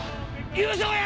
優勝や！